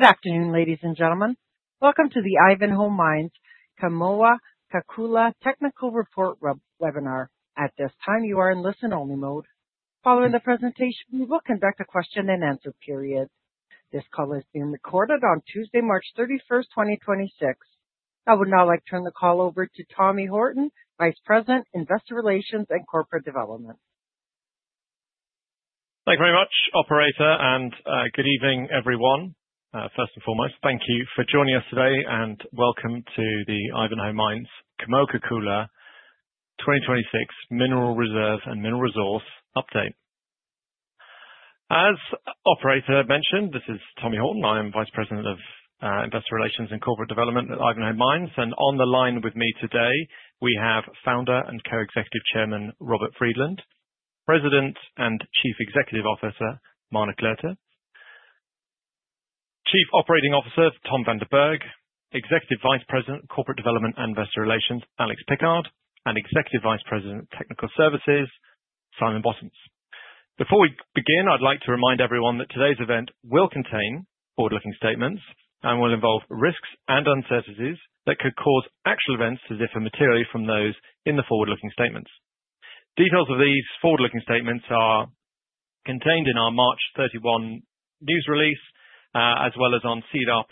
Good afternoon, ladies and gentlemen. Welcome to the Ivanhoe Mines Kamoa-Kakula technical report webinar. At this time, you are in listen-only mode. Following the presentation, we will conduct a question and answer period. This call is being recorded on Tuesday, March 31, 2026. I would now like to turn the call over to Tommy Horton, Vice President, Investor Relations and Corporate Development. Thank you very much, operator, and good evening, everyone. First and foremost, thank you for joining us today and welcome to the Ivanhoe Mines Kamoa-Kakula 2026 mineral reserve and mineral resource update. As operator mentioned, this is Tommy Horton. I am Vice President of Investor Relations and Corporate Development at Ivanhoe Mines. On the line with me today, we have Founder and Co-Executive Chairman, Robert Friedland, President and Chief Executive Officer, Marna Cloete, Chief Operating Officer, Tom van den Berg, Executive Vice President, Corporate Development and Investor Relations, Alex Pickard, and Executive Vice President of Technical Services, Simon Bottoms. Before we begin, I'd like to remind everyone that today's event will contain forward-looking statements and will involve risks and uncertainties that could cause actual events to differ materially from those in the forward-looking statements. Details of these forward-looking statements are contained in our March 31 news release, as well as on SEDAR+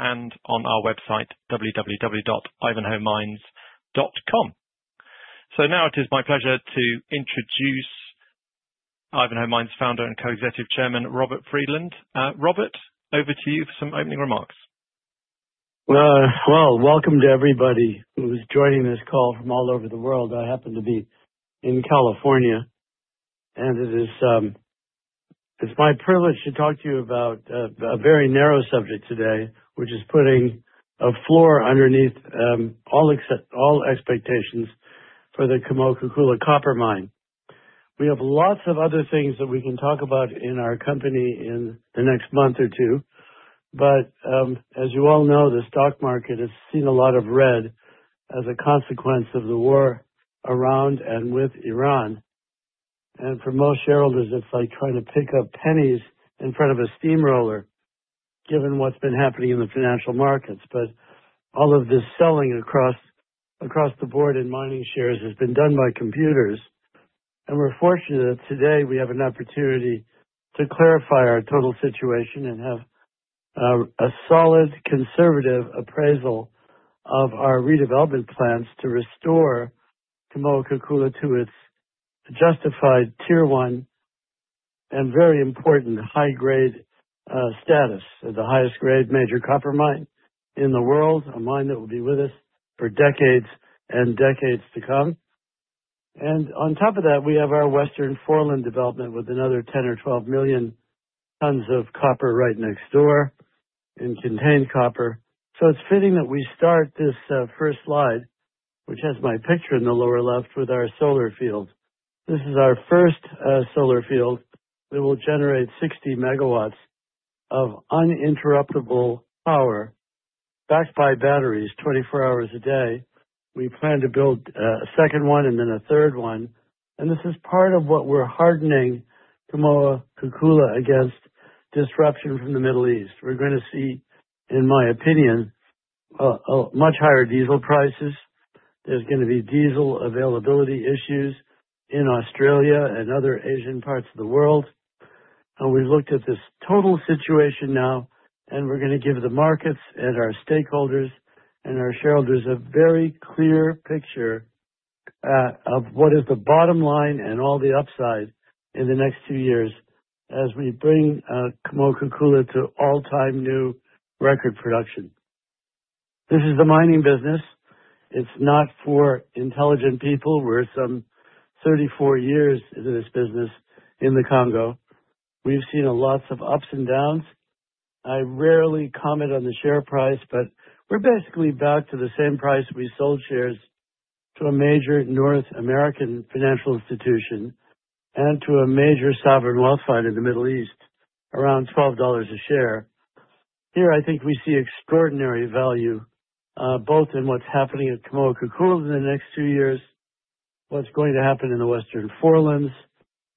and on our website, www.ivanhoemines.com. Now it is my pleasure to introduce Ivanhoe Mines Founder and Co-Executive Chairman, Robert Friedland. Robert, over to you for some opening remarks. Well, welcome to everybody who is joining this call from all over the world. I happen to be in California, and it is, it's my privilege to talk to you about a very narrow subject today, which is putting a floor underneath all expectations for the Kamoa-Kakula Copper Mine. We have lots of other things that we can talk about in our company in the next month or two, but, as you all know, the stock market has seen a lot of red as a consequence of the war around and with Iran. For most shareholders, it's like trying to pick up pennies in front of a steamroller given what's been happening in the financial markets. All of this selling across the board in mining shares has been done by computers. We're fortunate that today we have an opportunity to clarify our total situation and have a solid conservative appraisal of our redevelopment plans to restore Kamoa-Kakula to its justified Tier-One and very important high grade status as the highest grade major copper mine in the world, a mine that will be with us for decades and decades to come. On top of that, we have our Western Forelands development with another 10 or 12 million tons of copper right next door, and contained copper. It's fitting that we start this first slide, which has my picture in the lower left with our solar field. This is our first solar field that will generate 60 MW of uninterruptible power backed by batteries 24 hours a day. We plan to build a second one and then a third one. This is part of what we're hardening Kamoa-Kakula against disruption from the Middle East. We're gonna see, in my opinion, a much higher diesel prices. There's gonna be diesel availability issues in Australia and other Asian parts of the world. We looked at this total situation now, and we're gonna give the markets and our stakeholders and our shareholders a very clear picture of what is the bottom line and all the upside in the next two years as we bring Kamoa-Kakula to all-time new record production. This is the mining business. It's not for intelligent people. We're some 34 years into this business in the Congo. We've seen a lot of ups and downs. I rarely comment on the share price, but we're basically back to the same price we sold shares to a major North American financial institution and to a major sovereign wealth fund in the Middle East around $12 a share. Here, I think we see extraordinary value, both in what's happening at Kamoa-Kakula in the next two years, what's going to happen in the Western Forelands,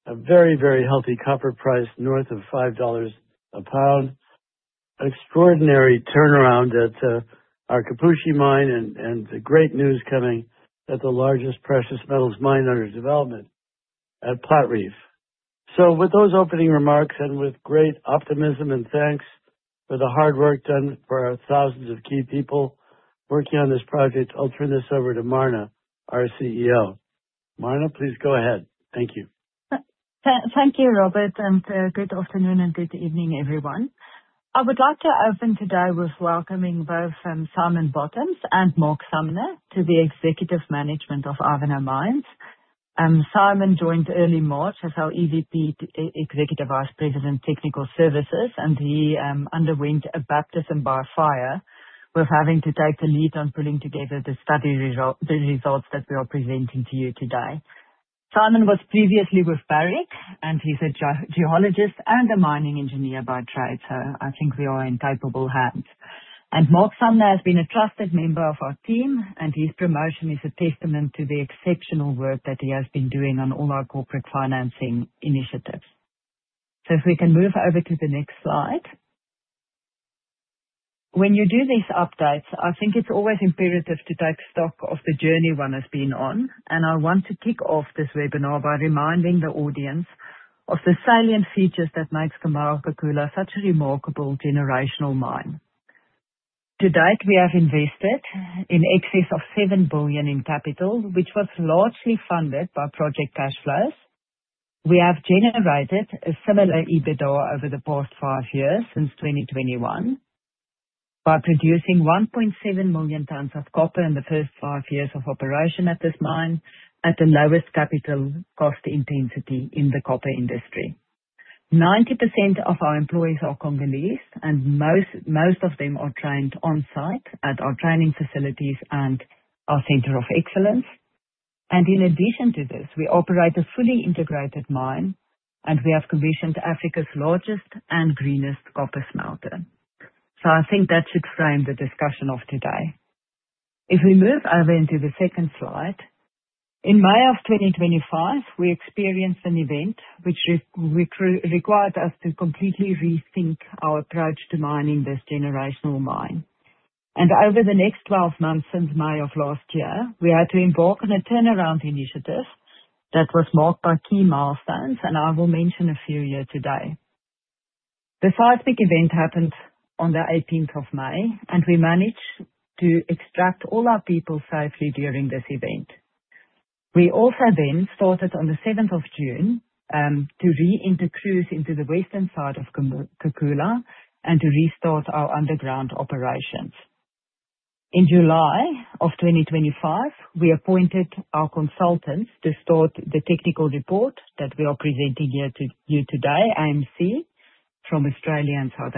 a very, very healthy copper price north of $5 a pound. Extraordinary turnaround at our Kipushi Mine and the great news coming at the largest precious metals mine under development at Platreef. With those opening remarks and with great optimism and thanks for the hard work done for our thousands of key people working on this project, I'll turn this over to Marna, our CEO. Marna, please go ahead. Thank you. Thank you, Robert, and good afternoon and good evening, everyone. I would like to open today with welcoming both Simon Bottoms and Mark Sumner to the executive management of Ivanhoe Mines. Simon joined early March as our EVP, Executive Vice President Technical Services, and he underwent a baptism by fire with having to take the lead on pulling together the study result, the results that we are presenting to you today. Simon was previously with Barrick, and he's a geologist and a mining engineer by trade, so I think we are in capable hands. Mark Sumner has been a trusted member of our team, and his promotion is a testament to the exceptional work that he has been doing on all our corporate financing initiatives. If we can move over to the next slide. When you do these updates, I think it's always imperative to take stock of the journey one has been on, and I want to kick off this webinar by reminding the audience of the salient features that makes Kamoa-Kakula such a remarkable generational mine. To date, we have invested in excess of $7 billion in capital, which was largely funded by project cash flows. We have generated a similar EBITDA over the past five years, since 2021, by producing 1.7 million tons of copper in the first five years of operation at this mine, at the lowest capital cost intensity in the copper industry. 90% of our employees are Congolese, and most of them are trained on-site at our training facilities and our center of excellence. In addition to this, we operate a fully integrated mine, and we have commissioned Africa's largest and greenest copper smelter. I think that should frame the discussion of today. If we move over into the second slide. In May of 2025, we experienced an event which required us to completely rethink our approach to mining this generational mine. Over the next 12 months since May of last year, we had to embark on a turnaround initiative that was marked by key milestones, and I will mention a few here today. The seismic event happened on the 18th of May, and we managed to extract all our people safely during this event. We also then started on the 7th of June to reenter crews into the western side of Kamoa-Kakula and to restart our underground operations. In July 2025, we appointed our consultants to start the technical report that we are presenting here to you today, AMC, from Australia and South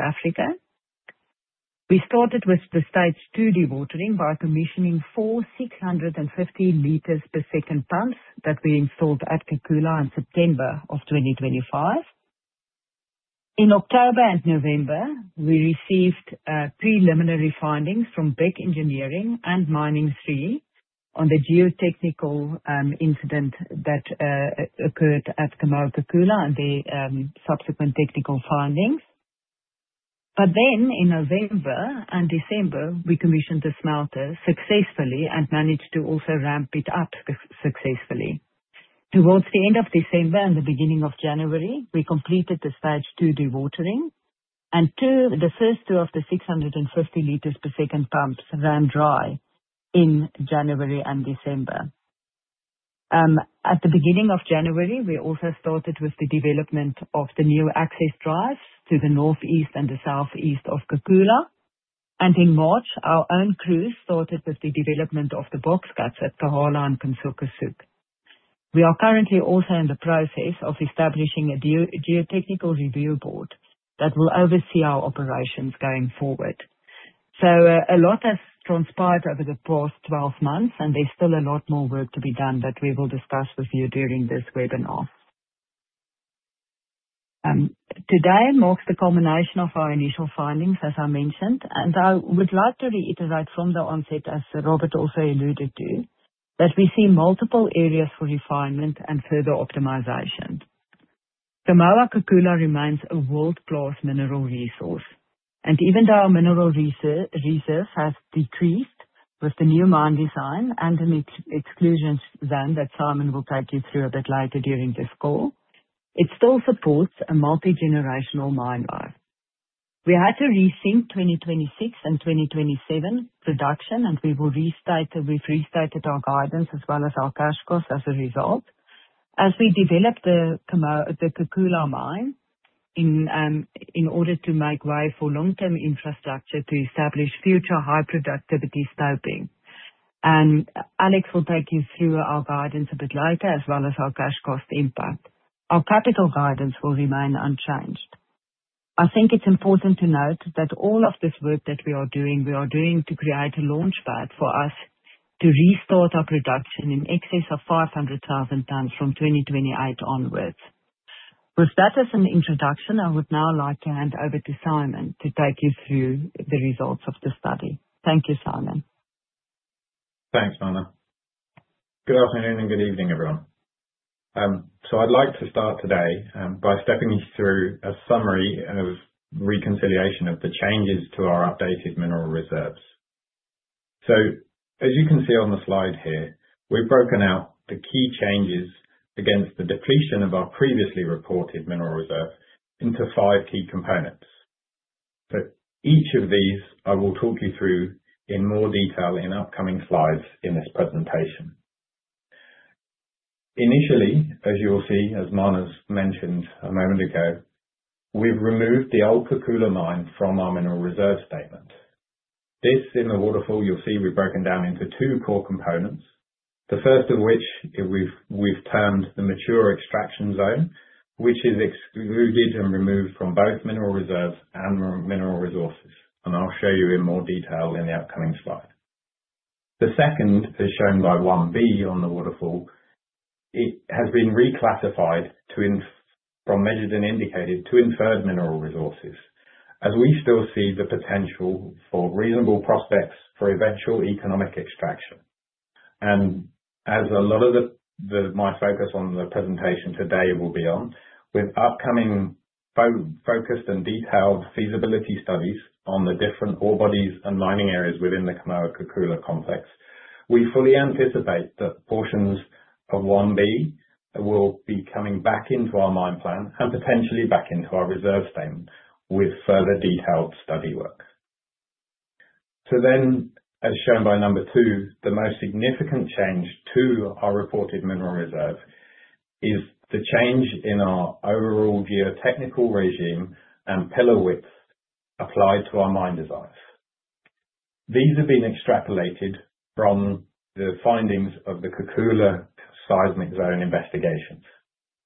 Africa. We started with the Stage Two dewatering by commissioning four 650 liters per second pumps that we installed at Kakula in September 2025. In October and November, we received preliminary findings from Beck Engineering and Mining3 on the geotechnical incident that occurred at Kamoa-Kakula and the subsequent technical findings. In November and December, we commissioned the smelter successfully and managed to also ramp it up successfully. Towards the end of December and the beginning of January, we completed the Stage Two dewatering, and the first two of the 650 L per second ran dry in January and December. At the beginning of January, we also started with the development of the new access drives to the northeast and the southeast of Kakula. In March, our own crews started with the development of the box cuts at Kahala and Kansoko Sud. We are currently also in the process of establishing a geotechnical review board that will oversee our operations going forward. A lot has transpired over the past 12 months, and there's still a lot more work to be done that we will discuss with you during this webinar. Today marks the culmination of our initial findings, as I mentioned, and I would like to reiterate from the onset, as Robert also alluded to, that we see multiple areas for refinement and further optimization. Kamoa-Kakula remains a world-class mineral resource. Even though our mineral reserve has decreased with the new mine design and an exclusion zone that Simon will take you through a bit later during this call, it still supports a multi-generational mine life. We had to rethink 2026 and 2027 production, and we've restated our guidance as well as our cash costs as a result. As we develop the Kakula mine in order to make way for long-term infrastructure to establish future high productivity scoping. Alex will take you through our guidance a bit later, as well as our cash cost impact. Our capital guidance will remain unchanged. I think it's important to note that all of this work that we are doing, we are doing to create a launchpad for us to restart our production in excess of 500,000 tons from 2028 onwards. With that as an introduction, I would now like to hand over to Simon to take you through the results of the study. Thank you, Simon. Thanks, Marna. Good afternoon and good evening, everyone. I'd like to start today by stepping you through a summary of reconciliation of the changes to our updated mineral reserves. As you can see on the slide here, we've broken out the key changes against the depletion of our previously reported mineral reserve into five key components. Each of these I will talk you through in more detail in upcoming slides in this presentation. Initially, as you will see, as Marna's mentioned a moment ago, we've removed the old Kakula mine from our mineral reserve statement. This, in the waterfall, you'll see we've broken down into two core components. The first of which, we've termed the mature extraction zone, which is excluded and removed from both mineral reserves and mineral resources, and I'll show you in more detail in the upcoming slide. The second is shown by 1b on the waterfall. It has been reclassified from measured and indicated to inferred mineral resources, as we still see the potential for reasonable prospects for eventual economic extraction. A lot of my focus on the presentation today will be on, with upcoming focused and detailed feasibility studies on the different ore bodies and mining areas within the Kamoa-Kakula complex, we fully anticipate that portions of 1b will be coming back into our mine plan and potentially back into our reserve statement with further detailed study work. As shown by number two, the most significant change to our reported Mineral Reserve is the change in our overall geotechnical regime and pillar widths applied to our mine designs. These have been extrapolated from the findings of the Kakula seismic zone investigations,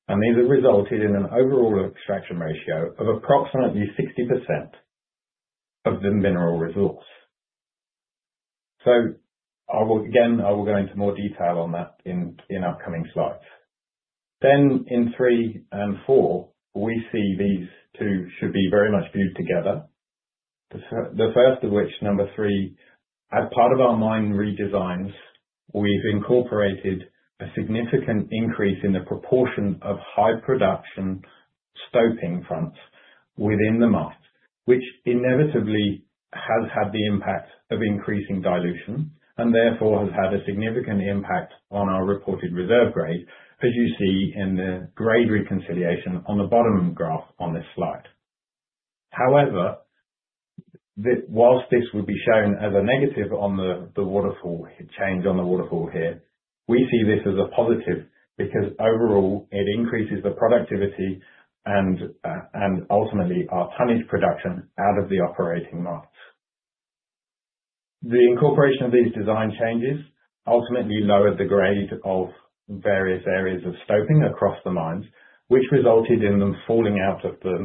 and these have resulted in an overall extraction ratio of approximately 60% of the Mineral Resource. I will, again, go into more detail on that in upcoming slides. In three and four, we see these two should be very much viewed together. The first of which, number three, as part of our mine redesigns, we've incorporated a significant increase in the proportion of high production stoping fronts within the mine, which inevitably has had the impact of increasing dilution and therefore has had a significant impact on our reported reserve grade, as you see in the grade reconciliation on the bottom graph on this slide. However, while this will be shown as a negative on the waterfall change on the waterfall here, we see this as a positive because overall it increases the productivity and ultimately our tonnage production out of the operating mine. The incorporation of these design changes ultimately lowered the grade of various areas of stoping across the mines, which resulted in them falling out of the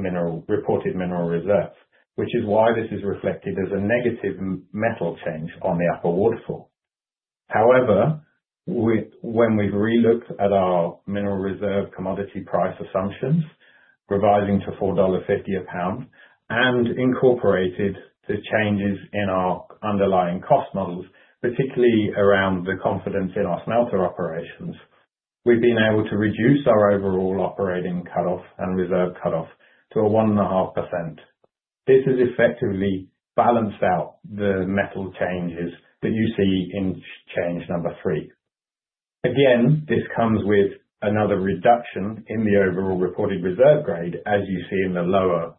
reported Mineral Reserves. Which is why this is reflected as a negative metal change on the upper waterfall. However, when we've relooked at our mineral reserve commodity price assumptions, revising to $4.50 a pound, and incorporated the changes in our underlying cost models, particularly around the confidence in our smelter operations, we've been able to reduce our overall operating cutoff and reserve cutoff to 1.5%. This has effectively balanced out the metal changes that you see in change number three. Again, this comes with another reduction in the overall reported reserve grade, as you see in the lower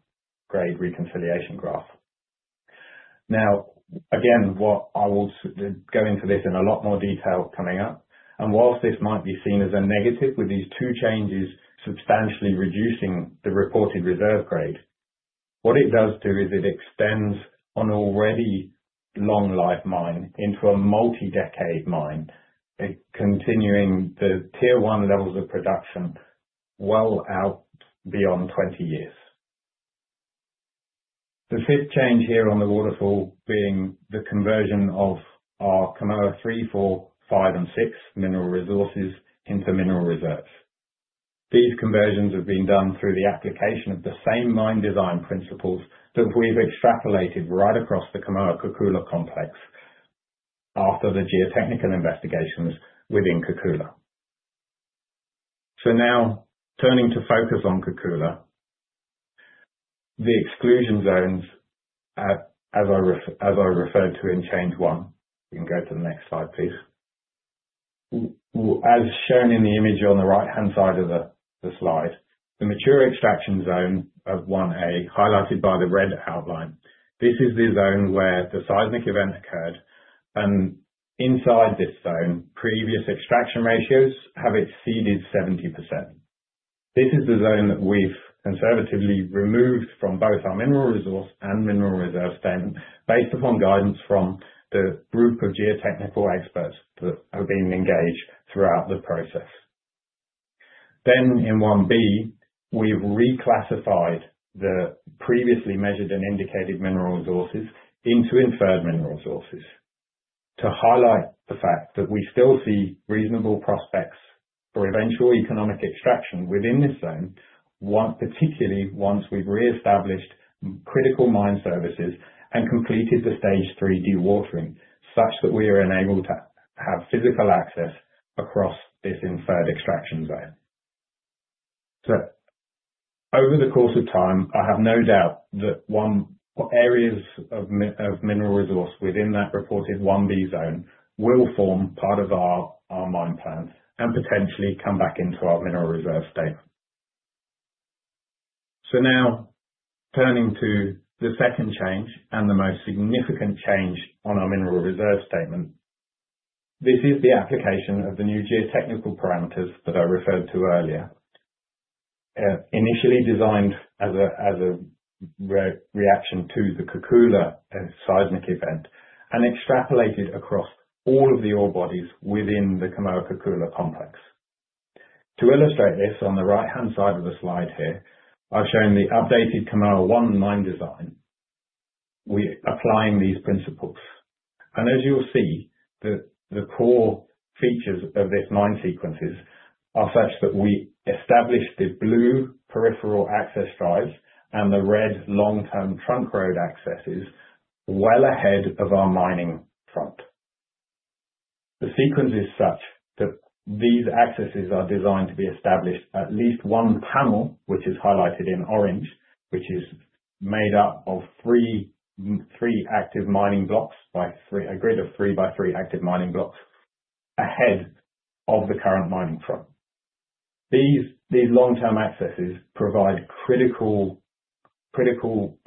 grade reconciliation graph. Now, again, what I will go into this in a lot more detail coming up, and while this might be seen as a negative with these two changes substantially reducing the reported reserve grade, what it does do is it extends an already long life mine into a multi-decade mine, continuing the Tier-One levels of production well out beyond 20 years. The fifth change here on the waterfall being the conversion of our Kamoa 3, 4, 5, and 6 mineral resources into mineral reserves. These conversions have been done through the application of the same mine design principles that we've extrapolated right across the Kamoa-Kakula complex after the geotechnical investigations within Kakula. Now turning to focus on Kakula, the exclusion zones, as I referred to in change one. You can go to the next slide, please. As shown in the image on the right-hand side of the slide, the mature extraction zone of Z1a, highlighted by the red outline. This is the zone where the seismic event occurred, and inside this zone, previous extraction ratios have exceeded 70%. This is the zone that we've conservatively removed from both our Mineral Resource and Mineral Reserve statement based upon guidance from the group of geotechnical experts that have been engaged throughout the process. In Z1b, we've reclassified the previously Measured and Indicated Mineral Resources into Inferred Mineral Resources to highlight the fact that we still see reasonable prospects for eventual economic extraction within this zone. Zone, particularly once we've reestablished critical mine services and completed the Stage 3 dewatering, such that we are enabled to have physical access across this inferred extraction zone. Over the course of time, I have no doubt that areas of Mineral Resource within that reported 1B zone will form part of our mine plan and potentially come back into our Mineral Reserve state. Now turning to the second change and the most significant change on our Mineral Reserve statement. This is the application of the new geotechnical parameters that I referred to earlier. Initially designed as a reaction to the Kakula seismic event and extrapolated across all of the ore bodies within the Kamoa-Kakula complex. To illustrate this on the right-hand side of the slide here, I've shown the updated Kamoa 1 mine design. We're applying these principles. As you will see, the core features of this mine sequences are such that we established the blue peripheral access drives and the red long-term trunk road accesses well ahead of our mining front. The sequence is such that these accesses are designed to be established at least one panel, which is highlighted in orange, which is made up of three active mining blocks by three, a grid of three by three active mining blocks ahead of the current mining front. These long-term accesses provide critical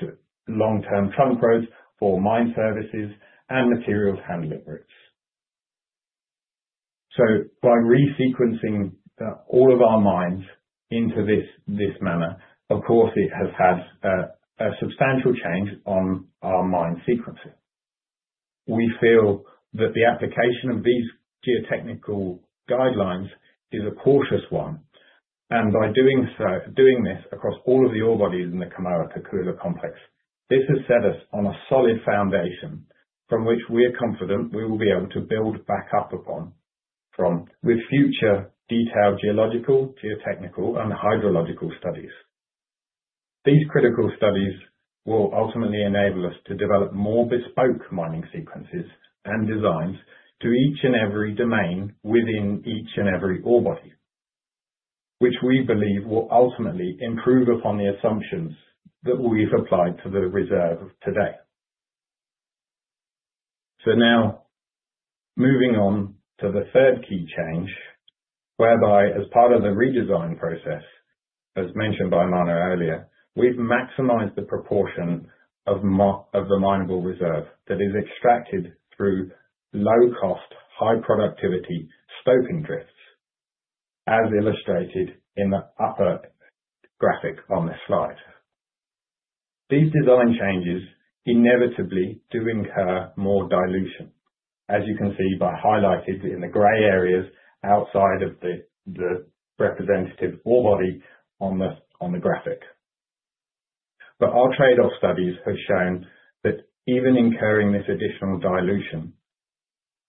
to long-term trunk roads for mine services and material handling routes. By resequencing all of our mines into this manner, of course, it has had a substantial change on our mine sequencing. We feel that the application of these geotechnical guidelines is a cautious one, and by doing this across all of the ore bodies in the Kamoa-Kakula complex, this has set us on a solid foundation from which we are confident we will be able to build back up upon with future detailed geological, geotechnical, and hydrological studies. These critical studies will ultimately enable us to develop more bespoke mining sequences and designs to each and every domain within each and every ore body, which we believe will ultimately improve upon the assumptions that we've applied to the reserve today. Now moving on to the third key change, whereby as part of the redesign process, as mentioned by Marna earlier, we've maximized the proportion of the minable reserve that is extracted through low cost, high productivity stoping drifts, as illustrated in the upper graphic on this slide. These design changes inevitably do incur more dilution, as you can see, highlighted in the gray areas outside of the representative ore body on the graphic. Our trade-off studies have shown that even incurring this additional dilution,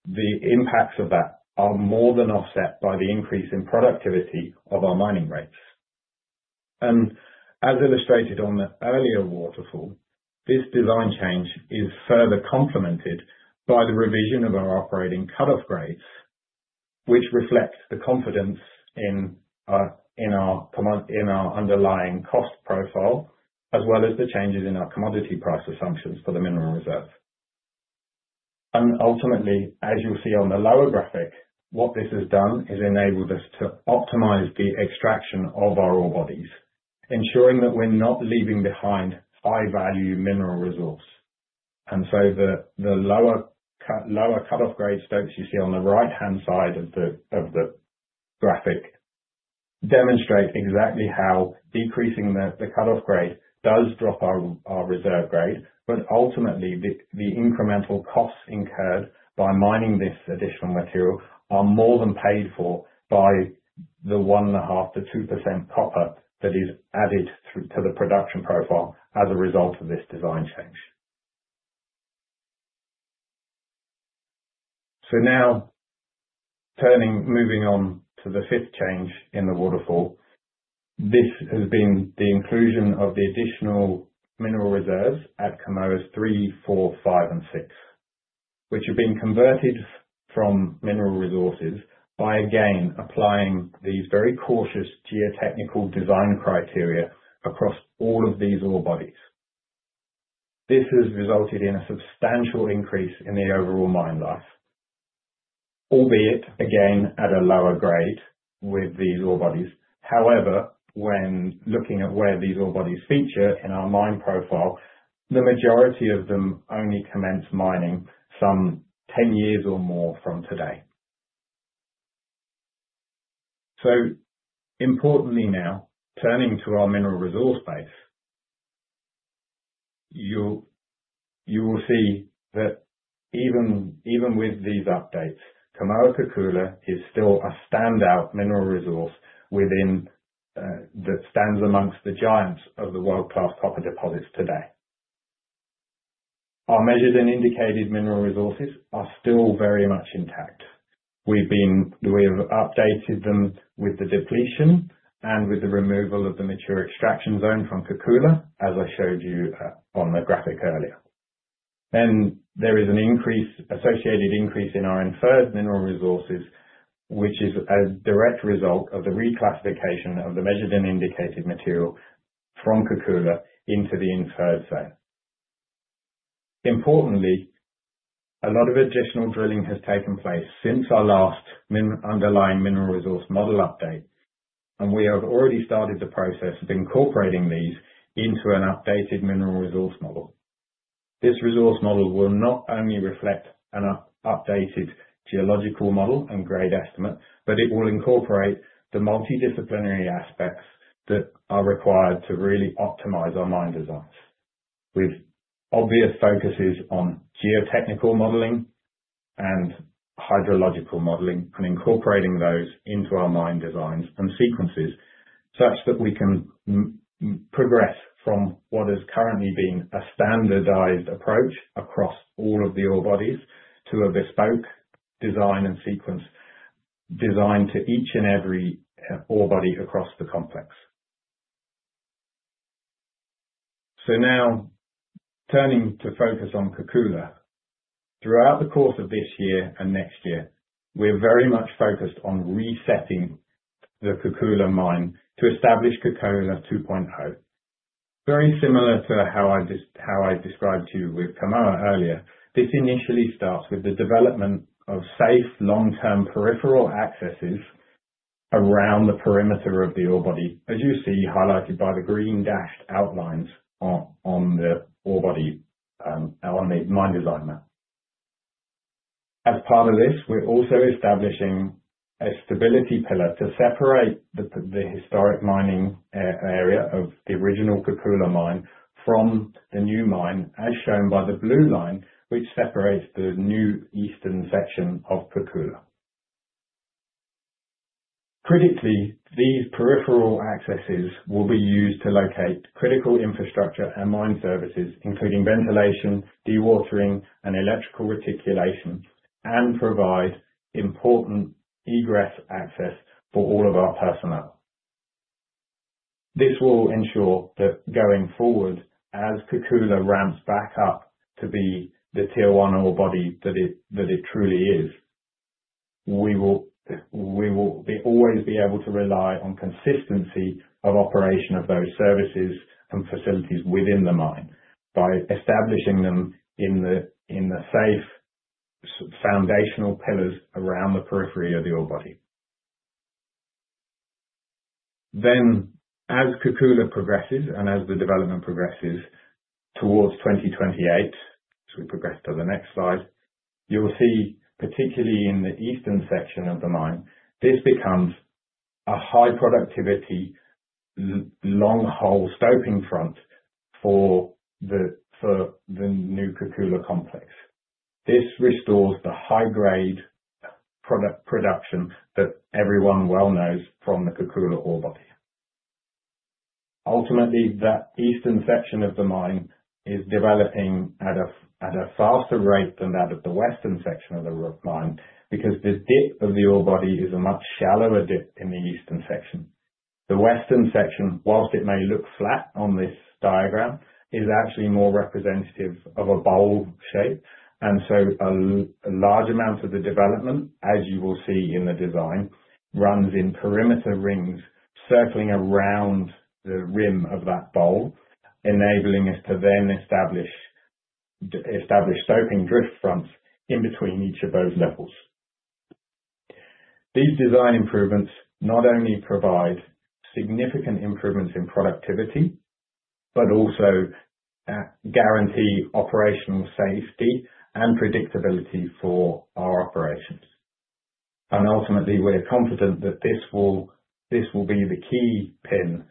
the impacts of that are more than offset by the increase in productivity of our mining rates. As illustrated on the earlier waterfall, this design change is further complemented by the revision of our operating cutoff grades, which reflects the confidence in our underlying cost profile, as well as the changes in our commodity price assumptions for the mineral reserves. Ultimately, as you'll see on the lower graphic, what this has done is enabled us to optimize the extraction of our ore bodies, ensuring that we're not leaving behind high-value mineral resource. The lower cutoff grade stopes you see on the right-hand side of the graphic demonstrate exactly how decreasing the cutoff grade does drop our reserve grade, but ultimately, the incremental costs incurred by mining this additional material are more than paid for by the 1.5%-2% copper that is added through to the production profile as a result of this design change. Now turning, moving on to the fifth change in the waterfall. This has been the inclusion of the additional Mineral Reserves at Kamoa’s 3, 4, 5 and 6, which have been converted from Mineral Resources by again, applying these very cautious geotechnical design criteria across all of these ore bodies. This has resulted in a substantial increase in the overall mine life, albeit again at a lower grade with these ore bodies. However, when looking at where these ore bodies feature in our mine profile, the majority of them only commence mining some 10 years or more from today. Importantly now turning to our Mineral Resource base. You will see that even with these updates, Kamoa-Kakula is still a standout mineral resource within that stands amongst the giants of the world-class copper deposits today. Our Measured and Indicated mineral resources are still very much intact. We have updated them with the depletion and with the removal of the mature extraction zone from Kakula, as I showed you on the graphic earlier. There is an associated increase in our Inferred mineral resources, which is a direct result of the reclassification of the Measured and Indicated material from Kakula into the Inferred zone. Importantly, a lot of additional drilling has taken place since our last underlying mineral resource model update, and we have already started the process of incorporating these into an updated mineral resource model. This resource model will not only reflect an updated geological model and grade estimate, but it will incorporate the multidisciplinary aspects that are required to really optimize our mine designs. With obvious focuses on geotechnical modeling and hydrologic modeling, and incorporating those into our mine designs and sequences, such that we can progress from what has currently been a standardized approach across all of the ore bodies, to a bespoke design and sequence, designed to each and every ore body across the complex. Now turning to focus on Kakula. Throughout the course of this year and next year, we're very much focused on resetting the Kakula mine to establish Kakula 2.0. Very similar to how I described to you with Kamoa earlier, this initially starts with the development of safe, long-term peripheral accesses around the perimeter of the ore body. As you see highlighted by the green dashed outlines on the ore body on the mine design map. As part of this, we're also establishing a stability pillar to separate the historic mining area of the original Kakula mine from the new mine, as shown by the blue line, which separates the new eastern section of Kakula. Critically, these peripheral accesses will be used to locate critical infrastructure and mine services, including ventilation, dewatering, and electrical reticulation, and provide important egress access for all of our personnel. This will ensure that going forward, as Kakula ramps back up to be the Tier-One ore body that it truly is, we will always be able to rely on consistency of operation of those services and facilities within the mine by establishing them in the safe foundational pillars around the periphery of the ore body. As Kakula progresses and as the development progresses towards 2028, as we progress to the next slide, you will see, particularly in the eastern section of the mine, this becomes a high productivity long haul scoping front for the new Kakula complex. This restores the high grade product production that everyone well knows from the Kakula ore body. Ultimately, that eastern section of the mine is developing at a faster rate than that of the western section of the mine, because this dip of the ore body is a much shallower dip in the eastern section. The western section, while it may look flat on this diagram, is actually more representative of a bowl shape, and so a large amount of the development, as you will see in the design, runs in perimeter rings, circling around the rim of that bowl, enabling us to then establish scoping drift fronts in between each of those levels. These design improvements not only provide significant improvements in productivity, but also guarantee operational safety and predictability for our operations. Ultimately, we're confident that this will be the key pin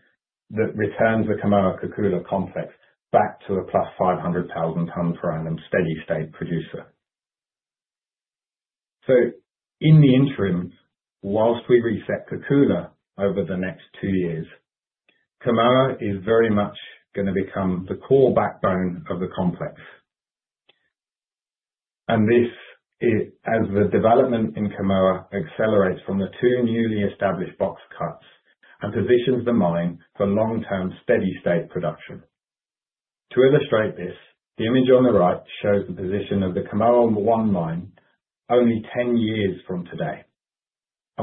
that returns the Kamoa-Kakula complex back to a +500,000 tons per annum steady state producer. In the interim, while we reset Kakula over the next two years, Kamoa is very much gonna become the core backbone of the complex. This is as the development in Kamoa accelerates from the two newly established box cuts and positions the mine for long-term steady state production. To illustrate this, the image on the right shows the position of the Kamoa 1 mine only 10 years from today.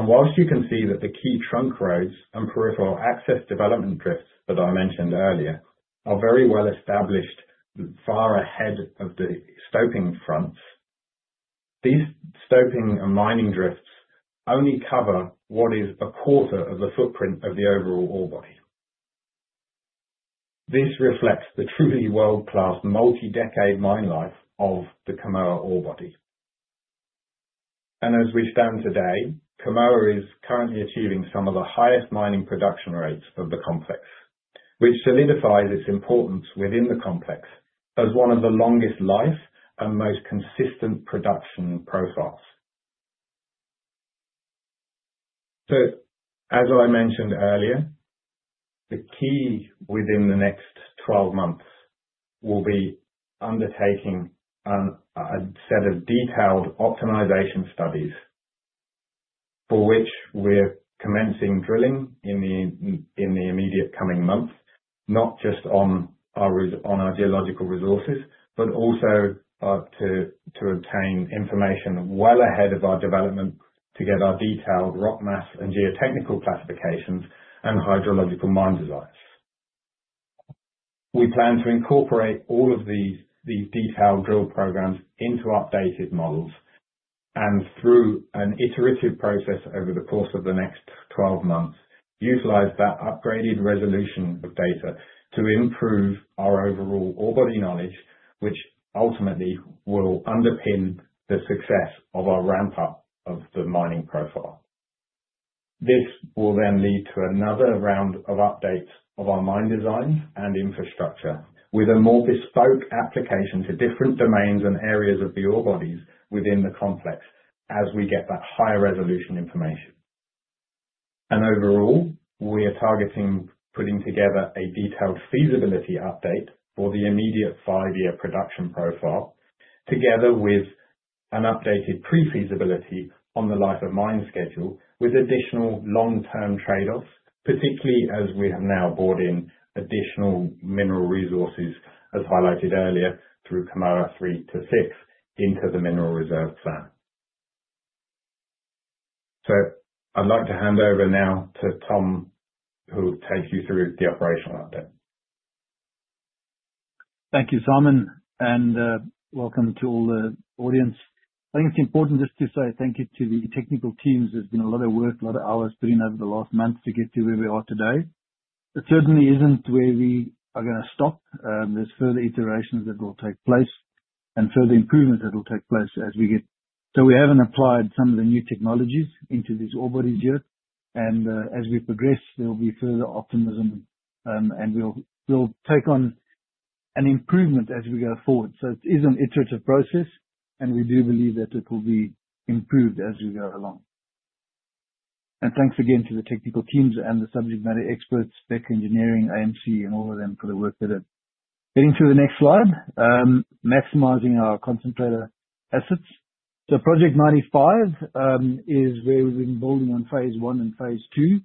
While you can see that the key trunk roads and peripheral access development drifts that I mentioned earlier are very well established, far ahead of the stoping fronts, these stoping and mining drifts only cover what is a quarter of the footprint of the overall ore body. This reflects the truly world-class multi-decade mine life of the Kamoa ore body. As we stand today, Kamoa is currently achieving some of the highest mining production rates of the complex, which solidifies its importance within the complex as one of the longest life and most consistent production profiles. As I mentioned earlier, the key within the next 12 months will be undertaking a set of detailed optimization studies for which we're commencing drilling in the immediate coming months, not just on our geological resources, but also to obtain information well ahead of our development to get our detailed rock mass and geotechnical classifications and hydrological mine designs. We plan to incorporate all of these detailed drill programs into our data models and through an iterative process over the course of the next 12 months, utilize that upgraded resolution of data to improve our overall ore body knowledge, which ultimately will underpin the success of our ramp up of the mining profile. This will then lead to another round of updates of our mine design and infrastructure, with a more bespoke application to different domains and areas of the ore bodies within the complex as we get that higher resolution information. Overall, we are targeting putting together a detailed feasibility update for the immediate five-year production profile, together with an updated pre-feasibility on the life of mine schedule, with additional long-term trade-offs, particularly as we have now brought in additional mineral resources, as highlighted earlier, through Kamoa 3-6 into the Mineral Reserve plan. I'd like to hand over now to Tom, who will take you through the operational update. Thank you, Simon, and welcome to all the audience. I think it's important just to say thank you to the technical teams. There's been a lot of work, a lot of hours put in over the last month to get to where we are today. It certainly isn't where we are gonna stop. There's further iterations that will take place and further improvements that will take place. We haven't applied some of the new technologies into these ore bodies yet, and as we progress, there will be further optimism, and we'll take on an improvement as we go forward. It is an iterative process, and we do believe that it will be improved as we go along. Thanks again to the technical teams and the subject matter experts, tech, engineering, AMC, and all of them for the work they're doing. Getting to the next slide, maximizing our concentrator assets. Project 95 is where we've been building on phase I and phase II,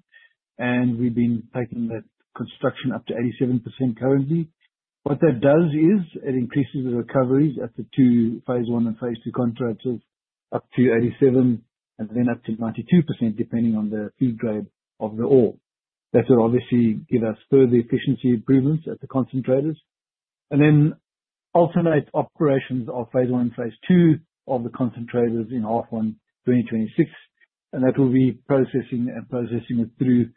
and we've been taking that construction up to 87% currently. What that does is it increases the recoveries at the two phase I and phase II concentrators up to 87% and then up to 92%, depending on the feed grade of the ore. That will obviously give us further efficiency improvements at the concentrators. Then alternate operations of phase I and phase II of the concentrators in H1 2026, and that will be processing it through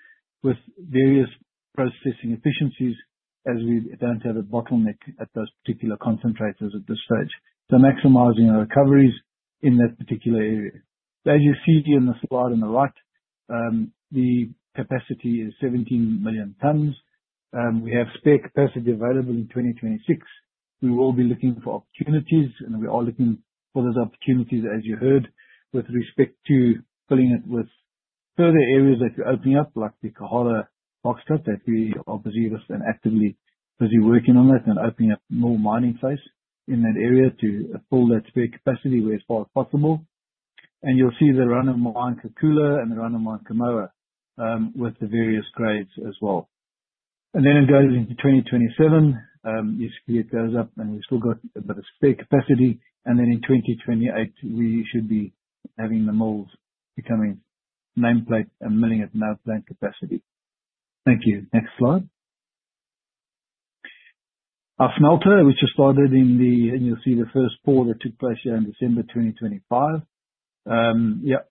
with various processing efficiencies as we don't have a bottleneck at those particular concentrators at this stage. Maximizing our recoveries in that particular area. As you see here in the slide on the right, the capacity is 17 million tons. We have spare capacity available in 2026. We will be looking for opportunities, and we are looking for those opportunities, as you heard, with respect to filling it with further areas that we're opening up, like the Kahala stocktake that we obviously are actively busy working on that and opening up more mining sites in that area to fill that spare capacity where as far as possible. You'll see the run of mine Kakula and the run of mine Kamoa with the various grades as well. Then it goes into 2027, you see it goes up and we've still got a bit of spare capacity. In 2028, we should be having the mills becoming nameplate and milling at nameplate capacity. Thank you. Next slide. Our smelter, which we started. You'll see the first pour that took place here in December 2025. 99%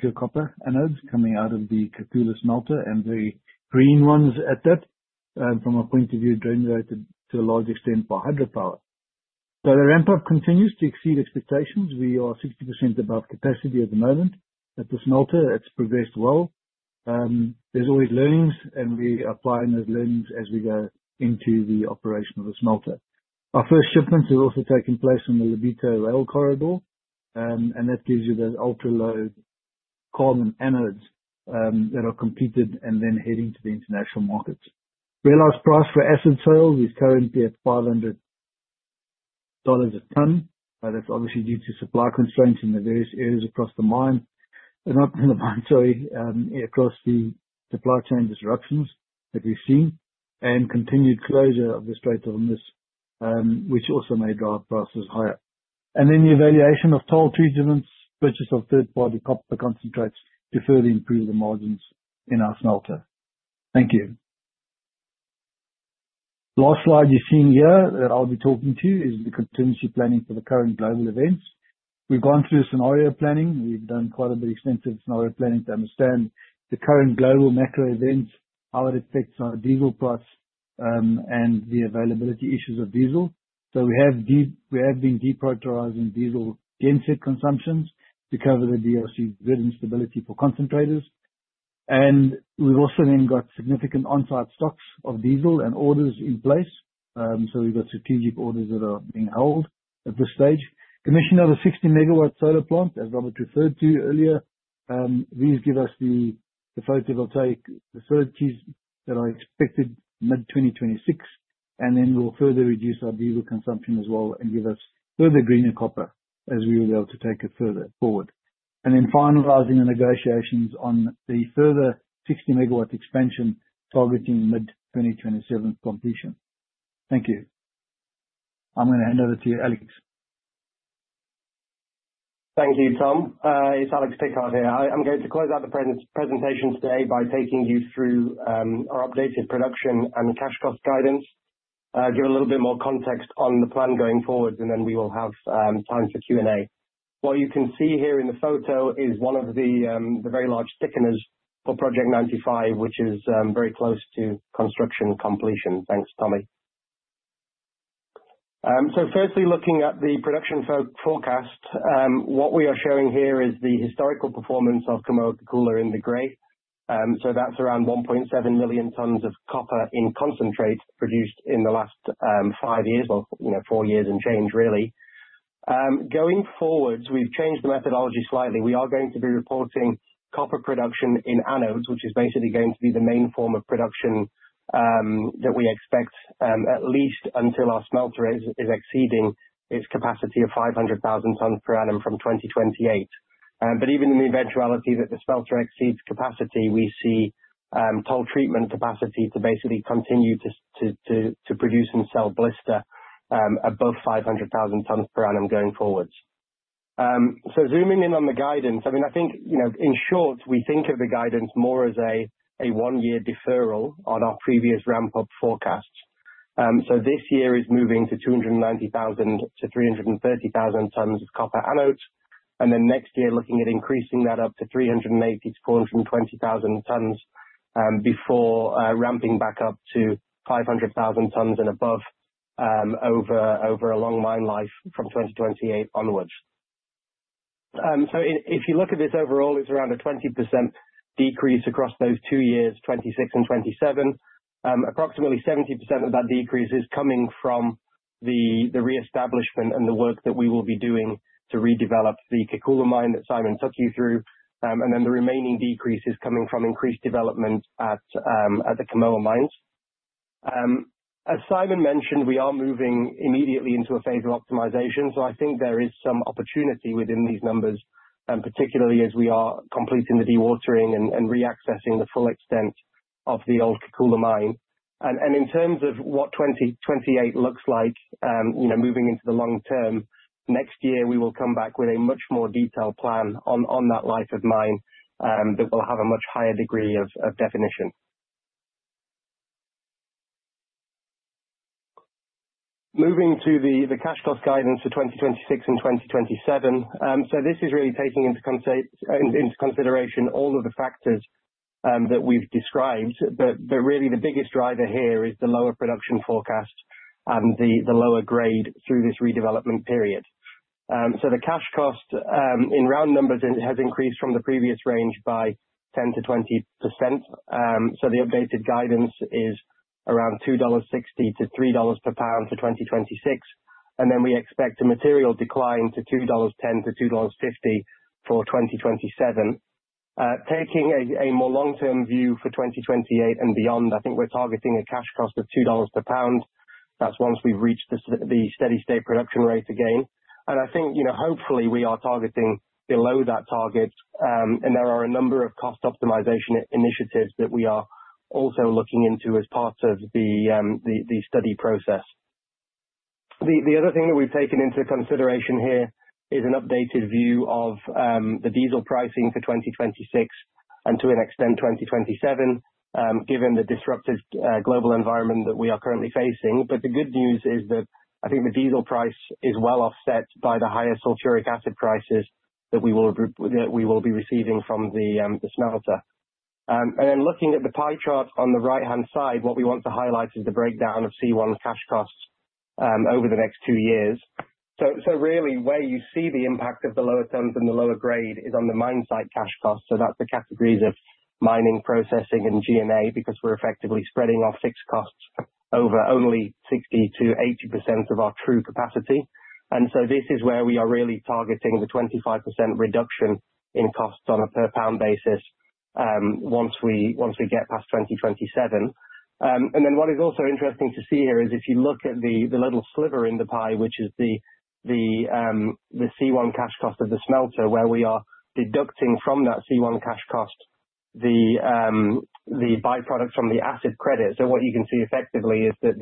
pure copper anodes coming out of the Kakula smelter and the green ones at that, from a point of view generated to a large extent by hydropower. The ramp-up continues to exceed expectations. We are 60% above capacity at the moment. At the smelter, it's progressed well. There's always learnings, and we applying those learnings as we go into the operation of the smelter. Our first shipments are also taking place on the Lobito rail corridor, and that gives you those ultra-low carbon anodes, that are completed and then heading to the international markets. Realized price for acid sales is currently at $500 a ton. That's obviously due to supply constraints in the various areas across the mine. Not in the mine, sorry, across the supply chain disruptions that we've seen, and continued closure of the Strait of Hormuz, which also made our prices higher. The evaluation of toll treatments, purchase of third-party copper concentrates to further improve the margins in our smelter. Thank you. Last slide you're seeing here that I'll be talking to you is the contingency planning for the current global events. We've gone through scenario planning. We've done quite a bit extensive scenario planning to understand the current global macro events, how it affects our diesel price, and the availability issues of diesel. We have been deprioritizing diesel genset consumptions to cover the DRC grid stability for concentrators. We've also then got significant on-site stocks of diesel and orders in place. We've got strategic orders that are being held at this stage. Commissioning of a 60 MW solar plant, as Robert referred to earlier. These give us the photovoltaic facilities that are expected mid-2026, and then will further reduce our diesel consumption as well and give us further greener copper as we will be able to take it further forward. Then finalizing the negotiations on the further 60 MW expansion targeting mid-2027 completion. Thank you. I'm gonna hand over to you, Alex. Thank you, Tom. It's Alex Pickard here. I'm going to close out the presentation today by taking you through our updated production and cash cost guidance. Give a little bit more context on the plan going forward, and then we will have time for Q&A. What you can see here in the photo is one of the very large thickeners for Project 95, which is very close to construction completion. Thanks, Tommy. Firstly, looking at the production forecast, what we are showing here is the historical performance of Kamoa-Kakula in the gray. That's around 1.7 million tons of copper in concentrate produced in the last five years or, you know, four years and change, really. Going forward, we've changed the methodology slightly. We are going to be reporting copper production in anodes, which is basically going to be the main form of production that we expect at least until our smelter is exceeding its capacity of 500,000 tons per annum from 2028. But even in the eventuality that the smelter exceeds capacity, we see toll treatment capacity to basically continue to produce and sell blister above 500,000 tons per annum going forward. Zooming in on the guidance, I mean, I think, you know, in short, we think of the guidance more as a one-year deferral on our previous ramp-up forecast. This year is moving to 290,000-330,000 tons of copper anodes. Then next year, looking at increasing that up to 380,000-420,000 tons, before ramping back up to 500,000 tons and above, over a long mine life from 2028 onwards. If you look at this overall, it's around a 20% decrease across those two years, 2026 and 2027. Approximately 70% of that decrease is coming from the reestablishment and the work that we will be doing to redevelop the Kakula mine that Simon took you through. Then the remaining decrease is coming from increased development at the Kamoa mines. As Simon mentioned, we are moving immediately into a phase of optimization, so I think there is some opportunity within these numbers, and particularly as we are completing the dewatering and reaccessing the full extent of the old Kakula mine. In terms of what 2028 looks like, you know, moving into the long term, next year, we will come back with a much more detailed plan on that life of mine that will have a much higher degree of definition. Moving to the cash cost guidance for 2026 and 2027. This is really taking into consideration all of the factors that we've described. Really the biggest driver here is the lower production forecast and the lower grade through this redevelopment period. The cash cost in round numbers it has increased from the previous range by 10%-20%. The updated guidance is around $2.60-$3 per pound for 2026. Then we expect a material decline to $2.10-$2.50 for 2027. Taking a more long-term view for 2028 and beyond, I think we're targeting a cash cost of $2 per pound. That's once we've reached the steady-state production rate again. I think, you know, hopefully we are targeting below that target, and there are a number of cost optimization initiatives that we are also looking into as part of the study process. The other thing that we've taken into consideration here is an updated view of the diesel pricing for 2026 and, to an extent, 2027, given the disruptive global environment that we are currently facing. The good news is that I think the diesel price is well offset by the higher sulfuric acid prices that we will be receiving from the smelter. Then looking at the pie chart on the right-hand side, what we want to highlight is the breakdown of C1 cash costs over the next two years. Really where you see the impact of the lower tons and the lower grade is on the mine site cash costs. That's the categories of mining, processing, and G&A, because we're effectively spreading our fixed costs over only 60%-80% of our true capacity. This is where we are really targeting the 25% reduction in costs on a per pound basis, once we get past 2027. What is also interesting to see here is if you look at the little sliver in the pie, which is the C1 cash cost of the smelter, where we are deducting from that C1 cash cost, the byproducts from the acid credit. What you can see effectively is that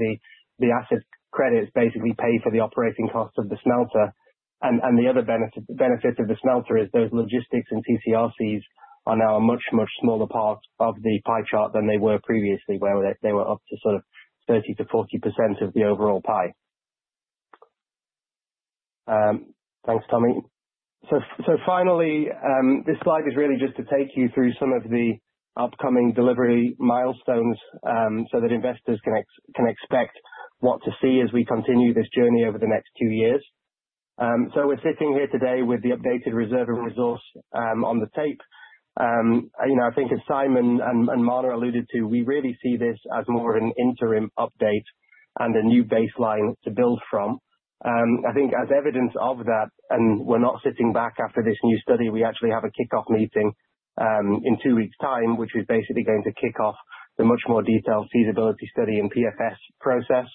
the acid credits basically pay for the operating cost of the smelter. The other benefit of the smelter is those logistics and TC/RCs are now a much smaller part of the pie chart than they were previously, where they were up to sort of 30%-40% of the overall pie. Thanks, Tommy. Finally, this slide is really just to take you through some of the upcoming delivery milestones, so that investors can expect what to see as we continue this journey over the next two years. We're sitting here today with the updated reserve and resource on the tape. You know, I think as Simon and Marna alluded to, we really see this as more an interim update and a new baseline to build from. I think as evidence of that, and we're not sitting back after this new study, we actually have a kickoff meeting in two weeks' time, which is basically going to kick off the much more detailed feasibility study and PFS process.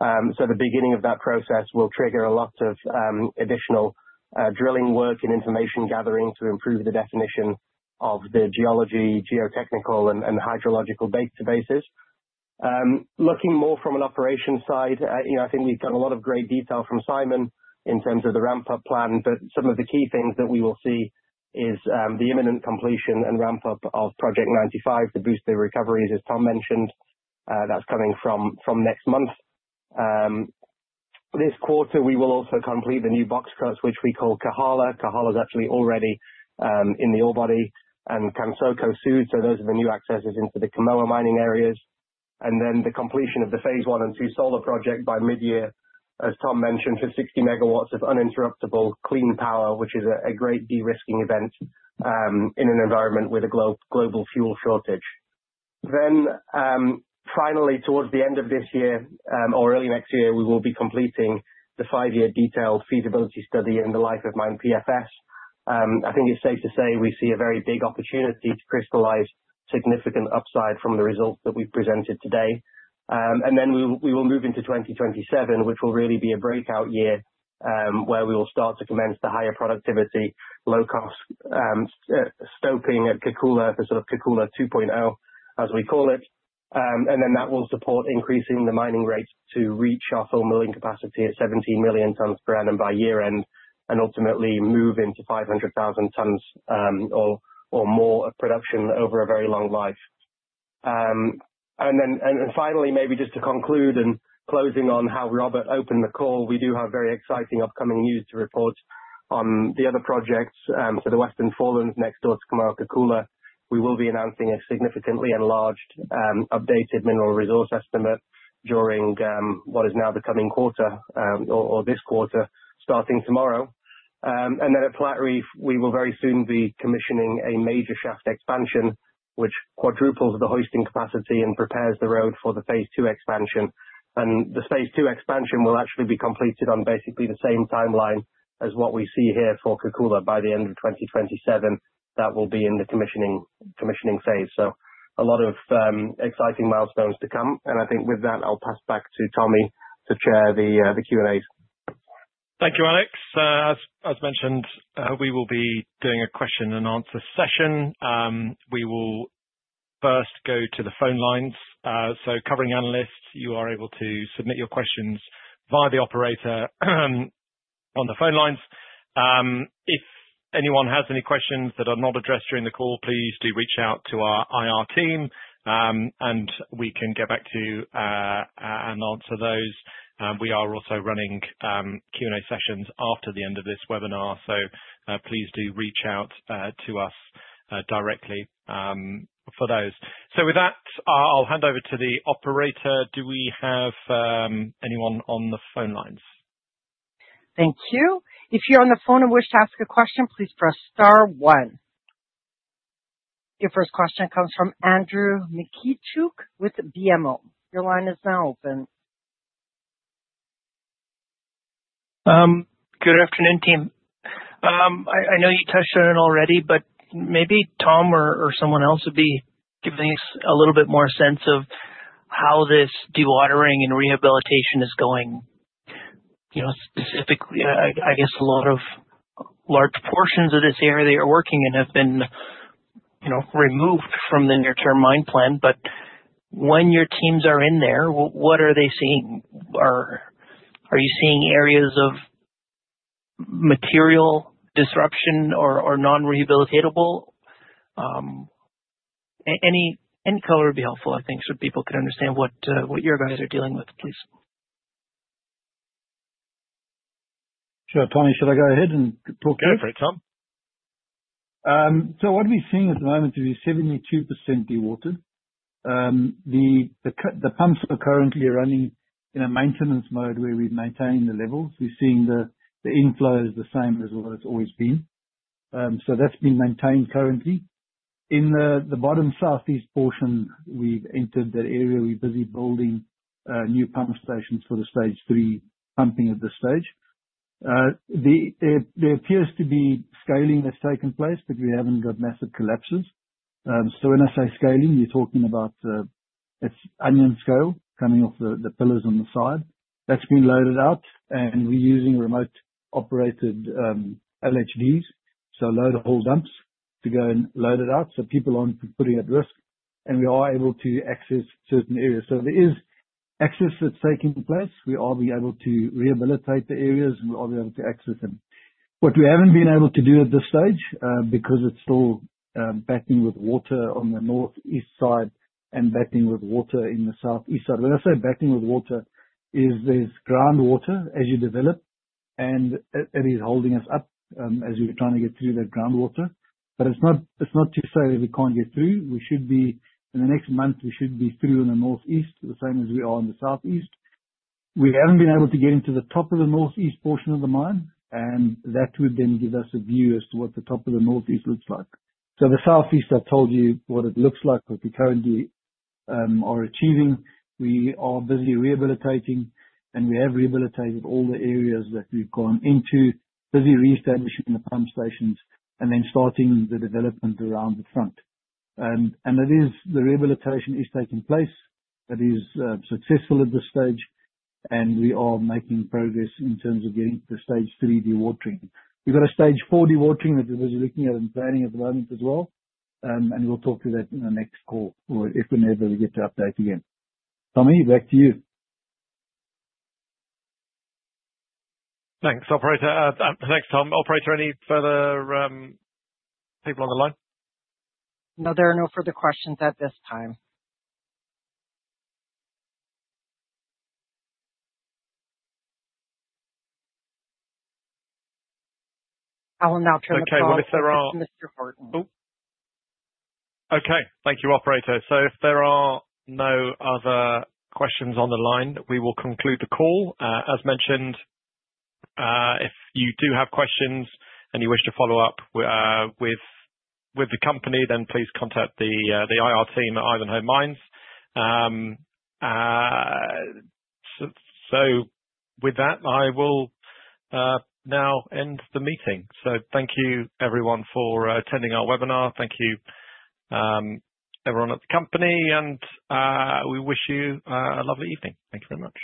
The beginning of that process will trigger a lot of additional drilling work and information gathering to improve the definition of the geology, geotechnical, and hydrological bases. Looking more from an operations side, you know, I think we've done a lot of great detail from Simon in terms of the ramp-up plan, but some of the key things that we will see is the imminent completion and ramp-up of Project 95 to boost the recovery, as Tom mentioned. That's coming from next month. This quarter, we will also complete the new box cuts, which we call Kakula. Kakula is actually already in the ore body and Kansoko Sud, so those are the new accesses into the Kamoa mining areas. The completion of the phase I and II solar project by mid-year, as Tom mentioned, for 60 MW of uninterruptible clean power, which is a great de-risking event in an environment with a global fuel shortage. Finally, towards the end of this year or early next year, we will be completing the five-year detailed feasibility study in the life of mine PFS. I think it's safe to say, we see a very big opportunity to crystallize significant upside from the results that we've presented today. We will move into 2027, which will really be a breakout year, where we will start to commence the higher productivity, low cost, stoping at Kakula, for sort of Kakula 2.0, as we call it. That will support increasing the mining rates to reach our full milling capacity at 17 million tons per annum by year-end, and ultimately move into 500,000 tons or more of production over a very long life. Finally, maybe just to conclude and closing on how Robert opened the call, we do have very exciting upcoming news to report on the other projects. The Western Forelands next door to Kamoa-Kakula, we will be announcing a significantly enlarged updated mineral resource estimate during what is now the coming quarter or this quarter, starting tomorrow. At Platreef, we will very soon be commissioning a major shaft expansion, which quadruples the hoisting capacity and prepares the road for the phase II expansion. The phase II expansion will actually be completed on basically the same timeline as what we see here for Kakula, by the end of 2027. That will be in the commissioning phase. A lot of exciting milestones to come. I think with that, I'll pass back to Tommy to chair the Q&A. Thank you, Alex. As mentioned, we will be doing a question and answer session. We will first go to the phone lines. Covering analysts, you are able to submit your questions via the operator on the phone lines. If anyone has any questions that are not addressed during the call, please do reach out to our IR team, and we can get back to you and answer those. We are also running Q&A sessions after the end of this webinar. Please do reach out to us directly for those. With that, I'll hand over to the operator. Do we have anyone on the phone lines? Thank you. If you're on the phone and wish to ask a question, please press star one. Your first question comes from Andrew Mikitchook with BMO. Your line is now open. Good afternoon, team. I know you touched on it already, but maybe Tom or someone else would be giving us a little bit more sense of how this dewatering and rehabilitation is going. You know, specifically, I guess a lot of large portions of this area you're working in have been, you know, removed from the near-term mine plan. When your teams are in there, what are they seeing? Or are you seeing areas of material disruption or non-rehabilitable? Any color would be helpful, I think, so people could understand what your guys are dealing with, please. Sure. Tommy, should I go ahead and talk through it? Go for it, Tom. What we're seeing at the moment is we're 72% dewatered. The pumps are currently running in a maintenance mode where we're maintaining the levels. We're seeing the inflow is the same as what it's always been. That's being maintained currently. In the bottom southeast portion, we've entered that area. We're busy building new pump stations for the stage three pumping at this stage. There appears to be scaling that's taken place, but we haven't got massive collapses. When I say scaling, you're talking about it's onion scale coming off the pillars on the side. That's been loaded out and we're using remote operated LHDs, so load haul dumps to go and load it out so people aren't put at risk. We are able to access certain areas. There is access that's taking place. We are being able to rehabilitate the areas and we are being able to access them. What we haven't been able to do at this stage, because it's still, backing with water on the northeast side and backing with water in the southeast side. When I say backing with water, is there's groundwater as you develop and it is holding us up, as we're trying to get through that groundwater. But it's not to say we can't get through. We should be in the next month, we should be through in the northeast, the same as we are in the southeast. We haven't been able to get into the top of the northeast portion of the mine, and that would then give us a view as to what the top of the northeast looks like. The southeast, I've told you what it looks like, what we currently are achieving. We are busy rehabilitating, and we have rehabilitated all the areas that we've gone into, busy reestablishing the pump stations and then starting the development around the front. The rehabilitation is taking place. That is successful at this stage, and we are making progress in terms of getting to the Stage 3 dewatering. We've got a Stage 4 dewatering that we're busy looking at and planning at the moment as well. We'll talk to that in the next call or if and whenever we get to update again. Tommy, back to you. Thanks, operator. Thanks, Tom. Operator, any further people on the line? No, there are no further questions at this time. I will now turn the call over to Mr. Horton. Okay. Thank you, operator. If there are no other questions on the line, we will conclude the call. As mentioned, if you do have questions and you wish to follow up with the company, then please contact the IR team at Ivanhoe Mines. With that, I will now end the meeting. Thank you everyone for attending our webinar. Thank you, everyone at the company and we wish you a lovely evening. Thank you very much.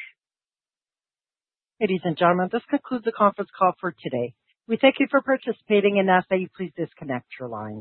Ladies and gentlemen, this concludes the conference call for today. We thank you for participating and ask that you please disconnect your lines.